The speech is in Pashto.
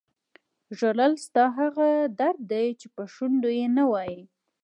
ژړل ستا هغه درد دی چې په شونډو یې نه وایې.